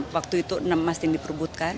waktu itu enam emas yang diperbutkan